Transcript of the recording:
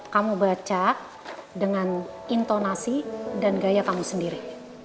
kamu baca dengan intonasi dan gaya kamu sendiri